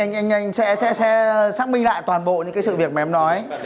anh sẽ xác minh lại toàn bộ những cái sự việc mà em nói